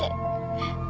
えっ